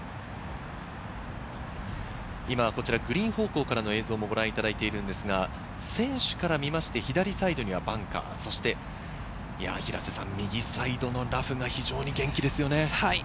今グリーン方向からの映像もご覧いただいているんですが、選手から見まして、左サイドにはバンカー、右サイドのラフが非常に元気ですよね。